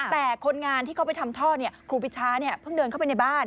แต่คนงานที่เขาไปทำท่อครูปีชาเพิ่งเดินเข้าไปในบ้าน